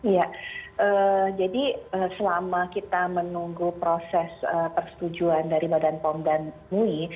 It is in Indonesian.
ya jadi selama kita menunggu proses persetujuan dari badan pom dan mui